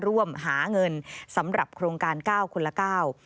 ร่วมหาเงินสำหรับโครงการ๙คนละ๙